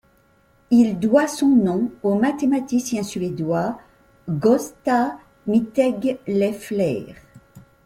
Il doit son nom au mathématicien suédois Gösta Mittag-Leffler.